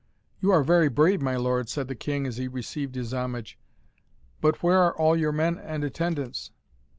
"You are very brave, my lord," said the King, as he received his homage; "but where are all your men and attendants?"